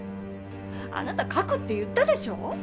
あなた書くって言ったでしょ？